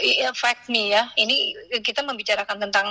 ini kita membicarakan tentang